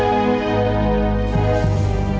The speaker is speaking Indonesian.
gue mau pergi ke rumah